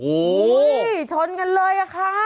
โหวฉนกันเลยอะค่ะ